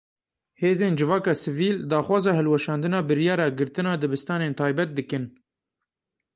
Hêzên Civaka Sivîl daxwaza hilweşandina biryara girtina dibistanên taybet dikin.